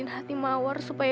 kalau kamu tidak mau isi pula